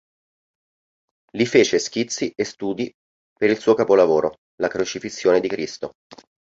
Li fece schizzi e studi per il suo capolavoro, "La Crocifissione di Cristo".